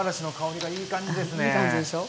いい感じですね。